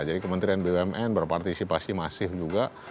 jadi kementerian bumn berpartisipasi masif juga